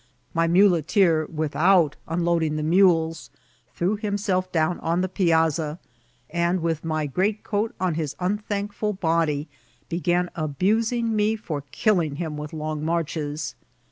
My muleteer, without unloading the mules, threw himself down on the piazza, and, with my great coat on his unthankful body, began abusing me for kill ing him with long marches.